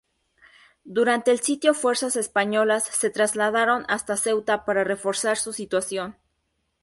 Durante el sitio fuerzas españolas se trasladaron hasta Ceuta para reforzar su situación.